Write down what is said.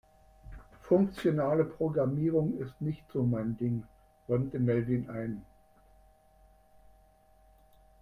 "Funktionale Programmierung ist nicht so mein Ding", räumte Melvin ein.